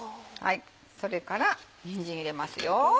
それからにんじん入れますよ。